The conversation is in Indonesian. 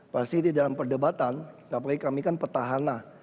pasti di dalam perdebatan apalagi kami kan petahana